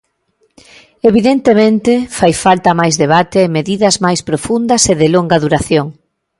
Evidentemente, fai falta máis debate e medidas máis profundas e de longa duración.